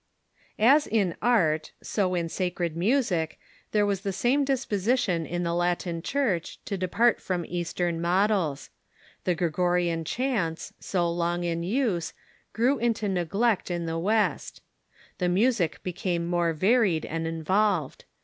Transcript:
As in art, so in sacred music, there was the same disposition in the Latin Church to depart from Eastern models. The Grescorian chants, so long in use, grew into neglect Sacred Music . f ,..'.^,'^ it ■ m the West. The music became more varied and involved.